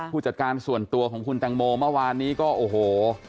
ผู้จัดการส่วนตัวของคุณแตงโมเมื่อวานนี้ก็โอ้โห